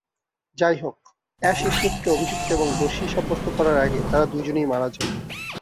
যাইহোক, অ্যাশ-স্মিথকে অভিযুক্ত এবং দোষী সাব্যস্ত করার আগে তারা দুজনেই মারা যান।